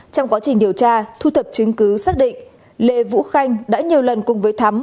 trong quá trình điều tra thu thập chứng cứ xác định lê vũ khanh đã nhiều lần cùng với thắm